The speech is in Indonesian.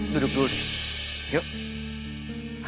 duduk dulu deh yuk